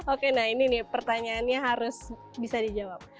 oke nah ini nih pertanyaannya harus bisa dijawab